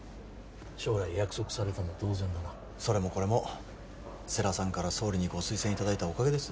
将来約束されたも同然だなそれもこれも世良さんから総理にご推薦いただいたおかげです